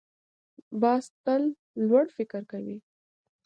باز تل لوړ فکر کوي